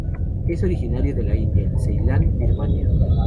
Es originario de la India, Ceilán, Birmania.